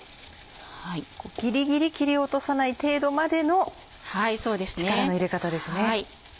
ギリギリ切り落とさない程度までの力の入れ方ですね。